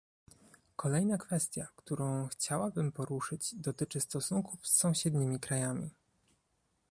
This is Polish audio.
Kolejna kwestia, którą chciałabym poruszyć, dotyczy stosunków z sąsiednimi krajami